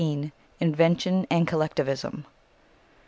INVENTION AND COLLECTIVISM.